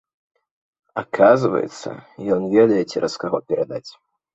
Аказваецца, ён ведае цераз каго перадаць.